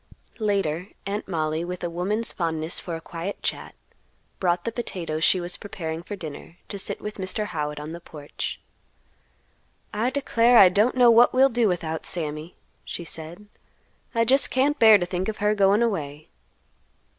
Later Aunt Mollie, with a woman's fondness for a quiet chat, brought the potatoes she was preparing for dinner, to sit with Mr. Howitt on the porch. "I declare I don't know what we'll do without Sammy," she said; "I just can't bear to think of her goin' away."